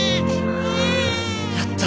やった！